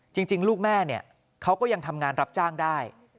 จริงลูกแม่เนี่ยเขาก็ยังทำงานรับจ้างได้